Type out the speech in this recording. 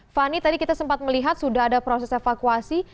fani tadi kita sempat melihat sudah ada proses evakuasi